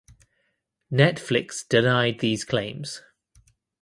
Netflix denied these claims.